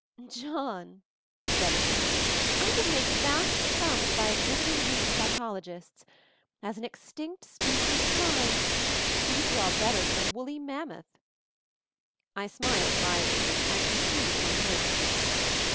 "John" said she, "I could make vast sums by exhibiting you to psychologists! as An Extinct Species of Mind. You'd draw bet ter than a Woolly Mammoth." 42 MOVING THE MOUNTAIN I smiled wryly; and she squeezed my hand.